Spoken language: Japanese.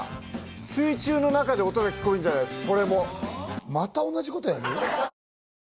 水中の中で音が聴こえるんじゃないですか？